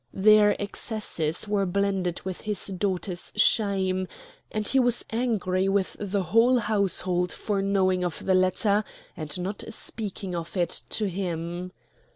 Their excesses were blended with his daughter's shame, and he was angry with the whole household for knowing of the latter and for not speaking of it to him.